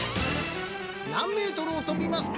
何メートルをとびますか？